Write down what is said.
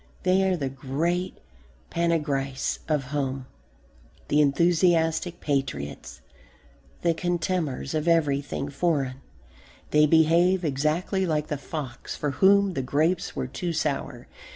They are the great panegyrists of home, the enthusiastic patriots, the contemners of everything foreign. They behave exactly like the fox for whom the grapes were too sour.